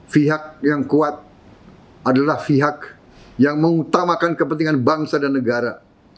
pihak yang kuat adalah pihak yang mengutamakan kepentingan bangsa dan negara